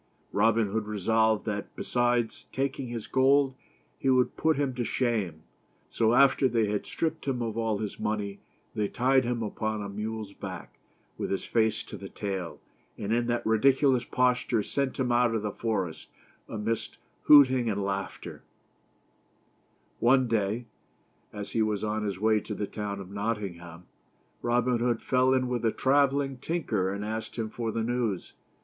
Robin Hood resolved that besides taking his gold, he would put him to shame; so after they had stripped him of all his money, they tied him upon a mule's back, with his face to the tail, and in that ridiculous posture sent him out of the forest, amidst hooting and laughter. o O 213 THE STORY OF ROBIN HOOD. One day, as he was on his way to the town of Notting ham, Robin Hood fell in with a traveling tinker and asked him for the news.